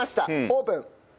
オープン。